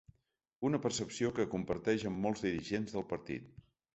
Una percepció que comparteix amb molts dirigents del partit.